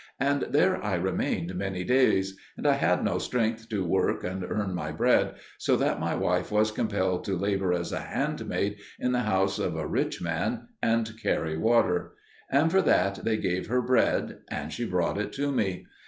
And there I remained many days. And I had no strength to work and earn my bread, so that my wife was compelled to labour as a handmaid in the house of a rich man, and carry water; and for that they gave her bread, and she brought it to me.